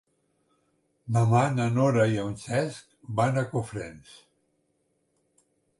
Demà na Nora i en Cesc van a Cofrents.